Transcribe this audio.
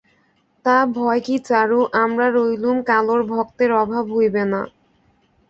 তা, ভয় কী চারু, আমরা রইলুম, কালোর ভক্তের অভাব হবে না।